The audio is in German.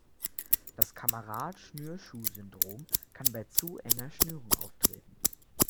Das Kamerad-Schnürschuh-Syndrom kann bei zu enger Schnürung auftreten.